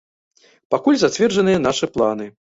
Пакуль зацверджаныя нашыя планы.